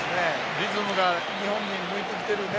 リズムが日本に向いてきているね。